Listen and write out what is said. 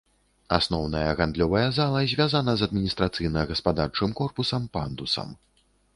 Асноўная гандлёвая зала звязана з адміністрацыйна-гаспадарчым корпусам пандусам.